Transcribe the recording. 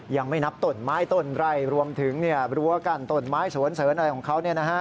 ยังไม่นับต้นไม้ต้นไร่รวมถึงรั้วกั้นต้นไม้สวนเสริญอะไรของเขา